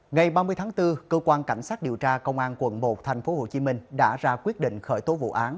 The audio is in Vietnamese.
ngày ba mươi tháng bốn cơ quan cảnh sát điều tra công an quận một tp hcm đã ra quyết định khởi tố vụ án